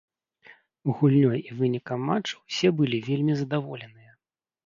Гульнёй і вынікам матчу ўсе былі вельмі задаволеныя.